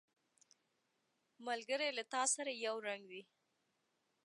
ملګری له تا سره یو رنګ وي